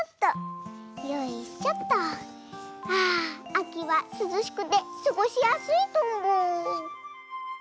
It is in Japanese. あきはすずしくてすごしやすいとんぼ。